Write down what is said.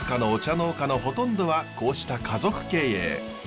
農家のほとんどはこうした家族経営。